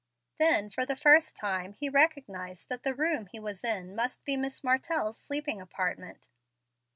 Then, for the first time, he recognized that the room he was in must be Miss Martell's sleeping apartment.